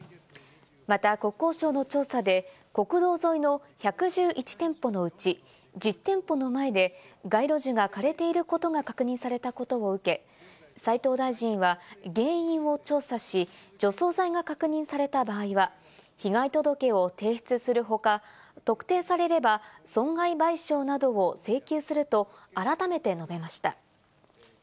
また国交省の調査で、国道沿いの１１１店舗のうち１０店舗の前で街路樹が枯れていることが確認されたことを受け、斉藤大臣は原因を調査し、除草剤が確認された場合は被害届を提出する他、特定されれば損害賠償などを請求すると改めて述べました。